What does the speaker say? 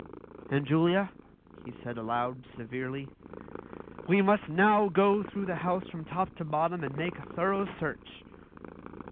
"Aunt Julia," he said aloud, severely, "we must now go through the house from top to bottom and make a thorough search."